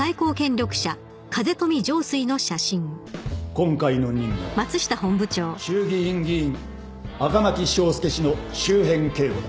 今回の任務は衆議院議員赤巻章介氏の周辺警護だ。